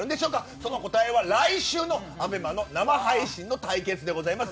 その答えは、来週のＡＢＥＭＡの生配信の対決でございます。